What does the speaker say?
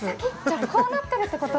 こうなってるってこと？